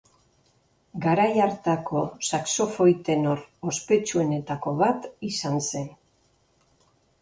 Garai hartako saxofoi-tenor ospetsuenetako bat izan zen.